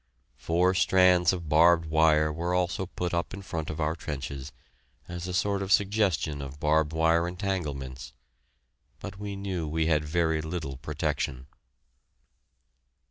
Four strands of barbed wire were also put up in front of our trenches, as a sort of suggestion of barbed wire entanglements, but we knew we had very little protection.